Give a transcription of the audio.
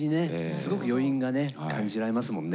すごく余韻がね感じられますもんね。